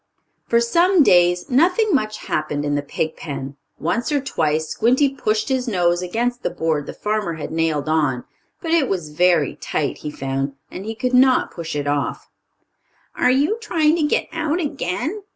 For some days nothing much happened in the pig pen. Once or twice Squinty pushed his nose against the board the farmer had nailed on, but it was very tight, he found, and he could not push it off. "Are you trying to get out again?"